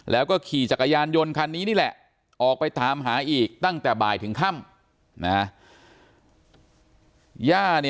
แล้วก็ขี่จักรยานยนต์คันนี้นี่แหละออกไปตามหาอีกตั้งแต่บ่ายถึงค่ำ